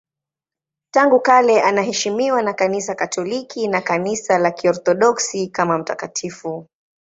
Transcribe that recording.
Tangu kale anaheshimiwa na Kanisa Katoliki na Kanisa la Kiorthodoksi kama mtakatifu.